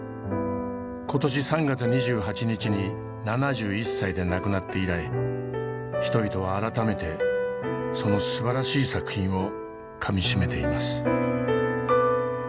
今年３月２８日に７１歳で亡くなって以来人々は改めてそのすばらしい作品をかみしめています。